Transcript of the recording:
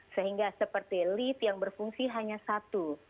sehingga seperti lift yang berfungsi hanya satu